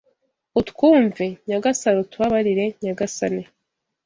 utwumve! Nyagasani, utubabarire! Nyagasani